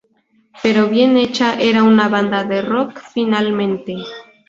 Pero bien hecha, era una banda de rock, finalmente.